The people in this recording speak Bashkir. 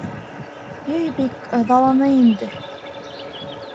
Йәй бик ыҙаланы инде...